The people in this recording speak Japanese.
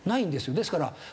ですから。